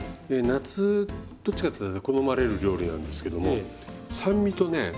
夏どっちかっていうと好まれる料理なんですけども酸味とね